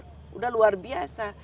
sudah luar biasa